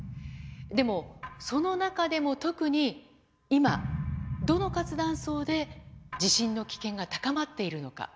でもその中でも特に今どの活断層で地震の危険が高まっているのか。